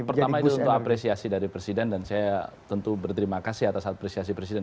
pertama itu untuk apresiasi dari presiden dan saya tentu berterima kasih atas apresiasi presiden